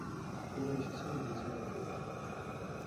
তিনি এসেছেন ভিঞ্চি নগরী থেকে।